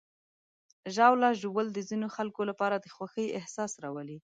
ژاوله ژوول د ځینو خلکو لپاره د خوښۍ احساس راولي.